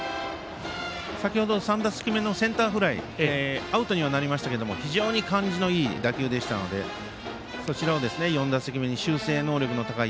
先程の３打席目のセンターフライはアウトにはなりましたけれども非常に感じのいい打球でしたのでそちらを４打席目に修正能力が高い